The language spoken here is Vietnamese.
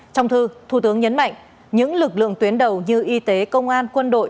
trong thư thủ tướng nhấn mạnh những lực lượng tuyến đầu như y tế công an quân đội